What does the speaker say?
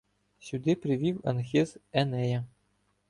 Сюди привів Анхиз Енея